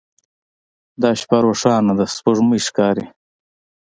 دا شپه روښانه ده سپوږمۍ ښکاري